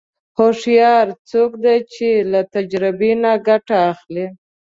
هوښیار څوک دی چې له تجربې نه ګټه اخلي.